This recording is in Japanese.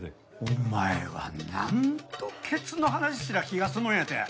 お前は何度ケツの話すりゃ気が済むんやて！